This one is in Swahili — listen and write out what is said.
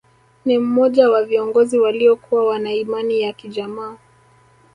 Ni mmoja wa viongozi waliokua wana Imani ya kijamaa